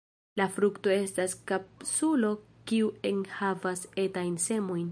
La frukto estas kapsulo kiu enhavas etajn semojn.